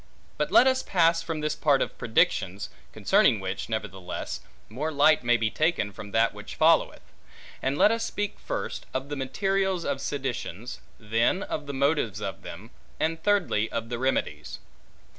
But let us pass from this part of predictions (concerning which, nevertheless, more light may be taken from that which followeth); and let us speak first, of the materials of seditions; then of the motives of them; and thirdly of the remedies.